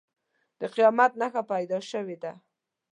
د قیامت نښانه پیدا شوې ده.